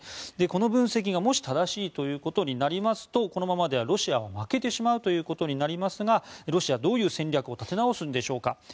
この分析がもし正しいということになりますとこのままではロシアは負けてしまうということになりますがロシアはどういう戦略を立て直すのでしょうか。